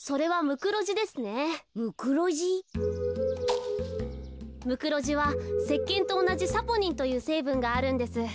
ムクロジはせっけんとおなじサポニンというせいぶんがあるんです。